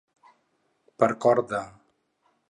Per cor de.